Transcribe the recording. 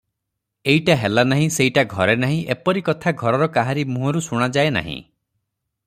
ଏଇଟା ହେଲା ନାହିଁ, ସେଇଟା ଘରେ ନାହିଁ, ଏପରି କଥା ଘରର କାହାରି ମୁହଁରୁ ଶୁଣାଯାଏ ନାହିଁ ।